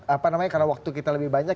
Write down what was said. apa namanya karena waktu kita lebih banyak